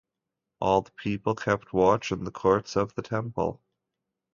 All the people kept watch in the courts of the temple.